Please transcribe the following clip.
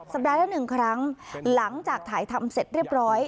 ปัดละหนึ่งครั้งหลังจากถ่ายทำเสร็จเรียบร้อย